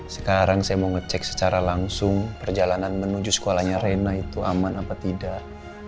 sekarang saya mau ngecek secara langsung perjalanan menuju sekolahnya reina itu aman apa tidak